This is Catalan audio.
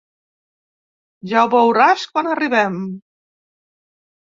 Ja ho veuràs quan arribem.